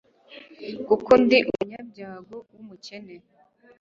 kuko ndi umunyabyago w’umukene